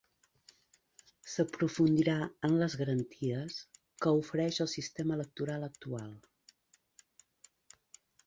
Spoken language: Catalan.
S'aprofundirà en les garanties que ofereix el sistema electoral actual.